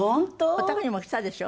お宅にもきたでしょ？